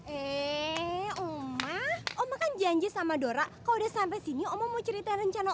eh omah omah janji sama dora kau udah sampai sini om mau cerita rencana